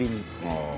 ああ。